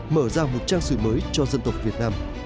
mở ra một trang sử mới cho dân tộc việt nam